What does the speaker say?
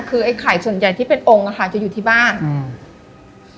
คือไอ้ไข่ส่วนใหญ่ที่เป็นองค์อ่ะค่ะจะอยู่ที่บ้านอืม